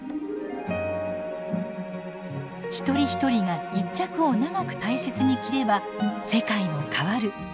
一人一人が１着を長く大切に着れば世界も変わる。